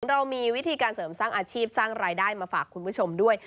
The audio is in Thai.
เรามีวิธีการเสริมสร้างอาชีพสร้างรายได้มาฝากคุณผู้ชมด้วย